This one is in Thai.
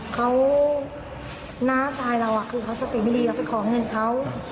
เขาน้าชายเราคือเขาสติไม่ดีเราไปขอเงินเขา